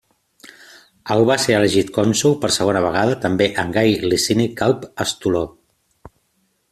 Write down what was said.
El va ser elegit cònsol per segona vegada també amb Gai Licini Calb Estoló.